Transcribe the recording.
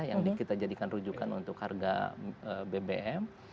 yang kita jadikan rujukan untuk harga bbm